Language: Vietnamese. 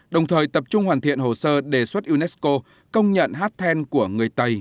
đồng thời tập trung hoàn thiện hồ sơ đề xuất unesco công nhận hát then của người tây